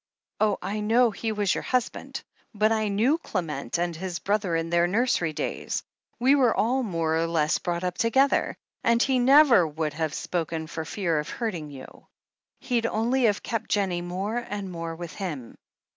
Oh, I know he was your husband, but I knew Qement and his brother in their nursery days — ^we were all more or less brought up together — ^and he never would have spoken, for fear of hurting you. He'd only have kept Jennie more and more with him.